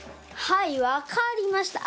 はいわかりました！